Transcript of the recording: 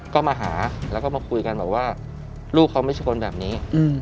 ก็มาหาแล้วก็มาคุยกันบอกว่าลูกเขาไม่ใช่คนแบบนี้